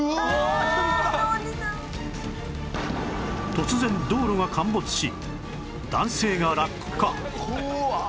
突然道路が陥没し男性が落下怖っ！